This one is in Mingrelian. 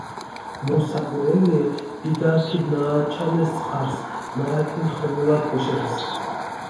მუ საკურელიე, ბიგა ქიდჷნააჩანეს წყარსჷ, მარა კინი ხომულათ გეშეღესჷ.